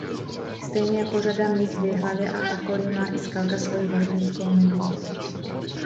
Stejně jako řada míst v Jihlavě a okolí má i Skalka svoji hornickou minulost.